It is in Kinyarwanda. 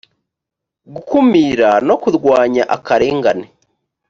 gukumira no kurwanya akarengane